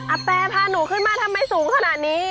แปรพาหนูขึ้นมาทำไมสูงขนาดนี้